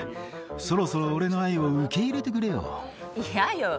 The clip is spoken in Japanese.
そろそろ俺の愛を受け入れてくれよ嫌よ